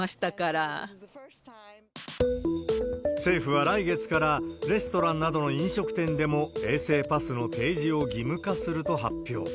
政府は来月から、レストランなどの飲食店でも衛生パスの提示を義務化すると発表。